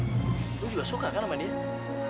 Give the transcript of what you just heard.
gak aku sama satria hanya teman deket kok